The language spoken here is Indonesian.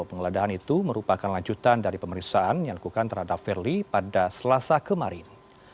penggeledahan itu merupakan lanjutan dari pemeriksaan yang dilakukan terhadap firly pada selasa kemarin